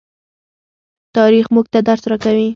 تاریخ موږ ته درس راکوي.